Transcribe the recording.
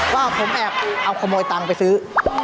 ว่าผมแอบเอาขโมยตังค์ไปซื้อ